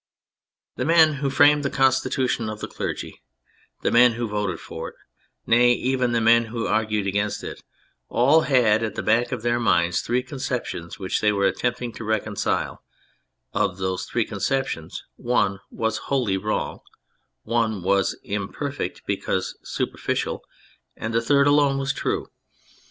The men who framed the Constitution of the Clergy, the men who voted it, nay, even the men who argued against it, all had at the back of their minds three conceptions which they were attempting to reconcile : of those three conceptions one was wholly wrong, one was imperfect because superficial, the third alone was true.